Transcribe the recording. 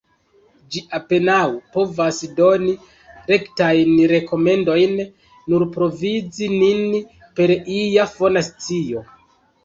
Ĝi apenaŭ povas doni rektajn rekomendojn; nur provizi nin per ia fona scio.